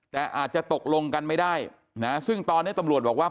แต่อาจจะตกลงกันไม่ได้นะซึ่งตอนนี้ตำรวจบอกว่า